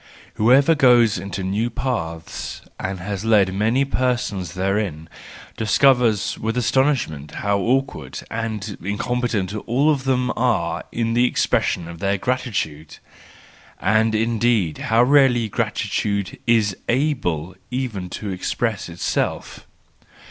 Whoever goes in new paths and has led many persons therein, discovers with astonishment how 138 THE JOYFUL WISDOM, II awkward and incompetent all of them are in the expression of their gratitude, and indeed how rarely gratitude is able even to express itself.